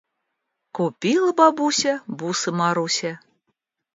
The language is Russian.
Купила бабуся бусы Марусе.